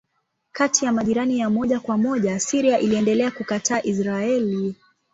Kati ya majirani ya moja kwa moja Syria iliendelea kukataa Israeli.